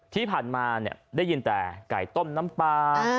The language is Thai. ที่ผ่านมาได้ยินแต่ไก่ต้มน้ำปลา